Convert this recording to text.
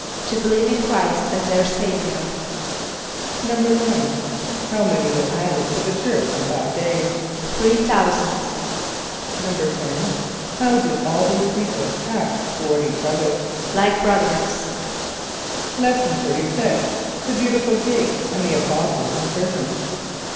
=To believe in Chr[=i]st as their Saviour.= =9.= How many were added to the church on that day? =Three thousand.= =10.= How did all these people act toward each other? =Like brothers.= Lesson XXXVI. The Beautiful Gate, and the Apostles in Prison.